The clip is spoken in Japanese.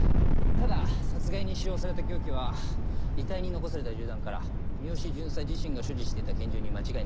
ただ殺害に使用された凶器は遺体に残された銃弾から三好巡査自身が所持してた拳銃に間違いないとの事です。